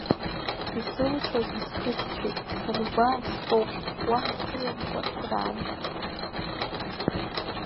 Исылшоз, исхыччеит сангәаа, стәоуп, уаҳа сыламкәа сраан…